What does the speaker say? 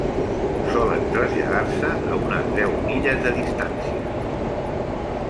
Solen traslladar-se a unes deu milles de distància.